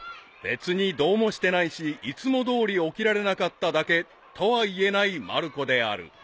［別にどうもしてないしいつもどおり起きられなかっただけとは言えないまる子である］